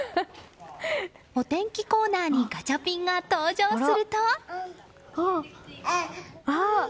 お天気コーナーにガチャピンが登場すると。